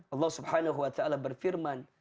allah subhanahu wa ta'ala berfirman